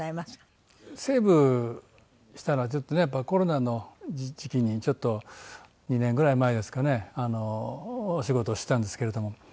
セーブしたのはちょっとねやっぱコロナの時期にちょっと２年ぐらい前ですかねお仕事してたんですけれども。